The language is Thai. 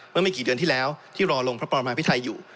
เมื่อไม่กี่เดือนที่แล้วที่รอลงพระปรมาพิไทยอยู่